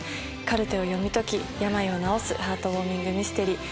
カルテを読み解き病を治すハートウォーミング・ミステリー。